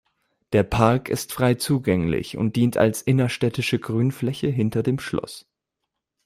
Der Park ist frei zugänglich und dient als innerstädtische Grünfläche hinter dem Schloss.